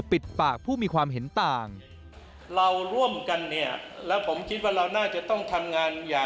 ในปากผู้มีความเห็นต่าง